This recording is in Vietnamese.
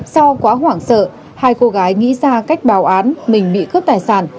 do quá hoảng sợ hai cô gái nghĩ ra cách bào án mình bị cướp tài sản